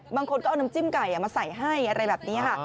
บางคนก็เอาน้ำจิ้มไก่มาใส่ให้อะไรแบบนี้ค่ะ